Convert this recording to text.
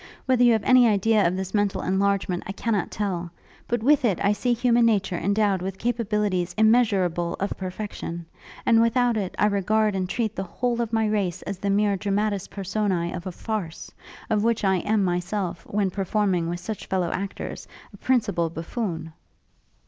Whether you have any idea of this mental enlargement I cannot tell; but with it I see human nature endowed with capabilities immeasurable of perfection; and without it, I regard and treat the whole of my race as the mere dramatis personæ of a farce; of which I am myself, when performing with such fellow actors, a principal buffoon.'